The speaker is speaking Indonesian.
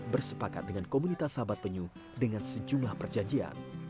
bersepakat dengan komunitas sahabat penyu dengan sejumlah perjanjian